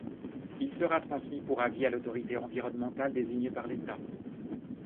Il sera transmis pour avis à l’autorité environnementale désignée par l’État.